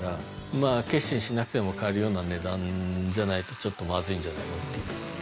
まぁ決心しなくても買えるような値段じゃないとちょっとまずいんじゃないのっていう。